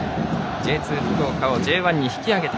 Ｊ２、福岡をＪ１へ引き上げた。